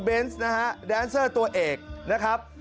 นะฮะแดนเซอร์ตัวเอกนะครับ